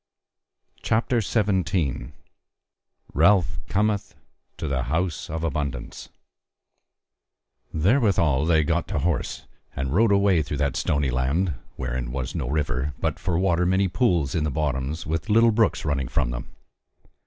CHAPTER 17 Ralph Cometh to the House of Abundance Therewithal they gat to horse and rode away through that stony land, wherein was no river, but for water many pools in the bottoms, with little brooks running from them.